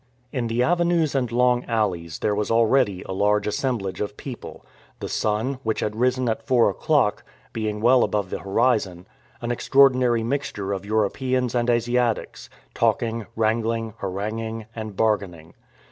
In the avenues and long alleys there was already a large assemblage of people the sun, which had risen at four o'clock, being well above the horizon an extraordinary mixture of Europeans and Asiatics, talking, wrangling, haranguing, and bargaining.